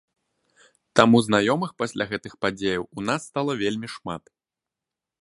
Таму знаёмых пасля гэтых падзеяў у нас стала вельмі шмат.